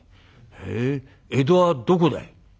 「へえ江戸はどこだい？」。